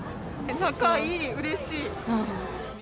仲いい、うれしい。